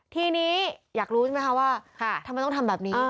ทีนี้อยากรู้ใช่ไหมคะว่าทำไมต้องทำแบบนี้